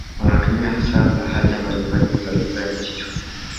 Wanatumia hasa lahaja mbalimbali za lugha ya Kichina.